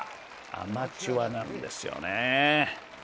アマチュアなんですよね。